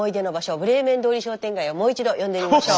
ブレーメン通り商店街をもう一度呼んでみましょう。